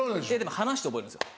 話して覚えるんですよ。